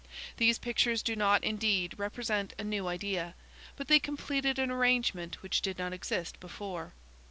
These pictures do not, indeed, represent a new idea, but they completed an arrangement which did not exist before.